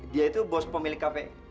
dia itu bos pemilik kafe